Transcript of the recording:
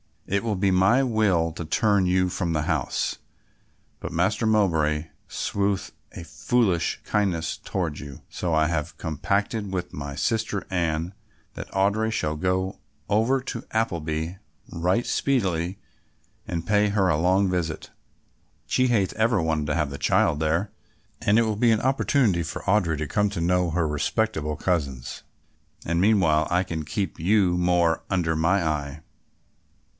It would be my will to turn you from the house, but Master Mowbray sheweth a foolish kindness toward you, so I have compacted with my sister Anne that Audry shall go over to Appleby right speedily and pay her a long visit. She hath ever wanted to have the child there and it will be an opportunity for Audry to come to know her respectable cousins, and meanwhile I can keep you more under my eye."